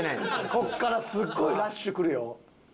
ここからすごいラッシュくるよ。